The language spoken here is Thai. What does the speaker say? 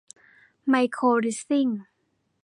ไมโครลิสซิ่ง